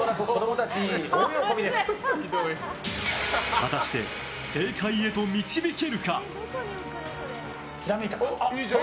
果たして、正解へと導けるか？